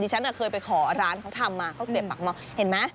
ฉันเคยไปขอร้านเขาทำมาข้าวเกลียบปากหม้อเห็นไหม